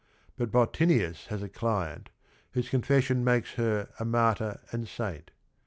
But Bottinius has a cli ent whose confession mak es h er a martyr and saint